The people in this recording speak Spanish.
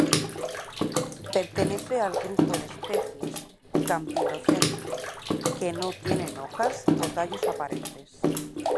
Pertenece al grupo de especies "Campylocentrum" que no tienen hojas o tallos aparentes.